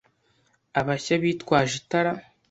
abashya bitwaje itara.